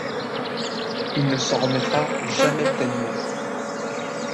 Il ne s'en remettra jamais pleinement.